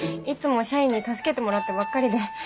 いつも社員に助けてもらってばっかりで。